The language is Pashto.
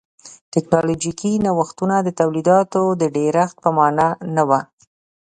ټکنالوژیکي نوښتونه د تولیداتو د ډېرښت په معنا نه و.